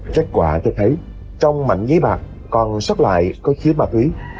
trách quả tôi thấy trong mạnh giấy bạc còn xuất lại có khiếp ma túy